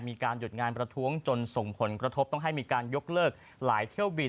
มีการหยุดงานประท้วงจนส่งผลกระทบต้องให้มีการยกเลิกหลายเที่ยวบิน